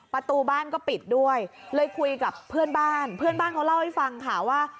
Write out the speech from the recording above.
ประตูบ้านก็ปิดด้วยเลยคุยกับเพื่อนบ้านเพื่อนบ้านเขาเล่าให้ฟังค่ะว่า